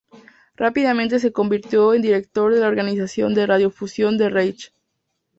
Rápidamente se convirtió en director de la organización de radiodifusión del Reich.